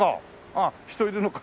あっ人いるのか。